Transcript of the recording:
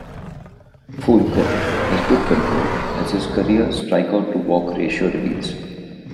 Foulke has good control, as his career strikeout-to-walk ratio reveals.